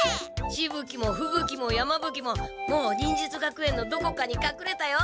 しぶ鬼もふぶ鬼も山ぶ鬼ももう忍術学園のどこかにかくれたよ。